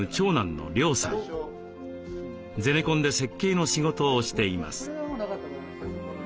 ゼネコンで設計の仕事をしています。